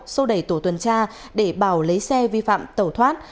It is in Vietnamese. xô đẩy tổ tuần tra để bảo lấy xe vi phạm tẩu thoát